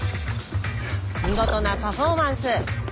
見事なパフォーマンス。